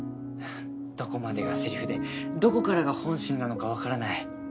どこまでがセリフでどこからが本心なのかわからない。